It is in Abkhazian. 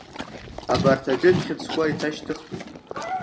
Абарҭ ажәытә хьыӡқәа еиҭашьҭыхтәуп!